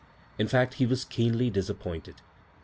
In fact, he was keenly disappointed.